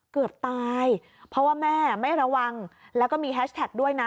เกือบตายเพราะว่าแม่ไม่ระวังแล้วก็มีแฮชแท็กด้วยนะ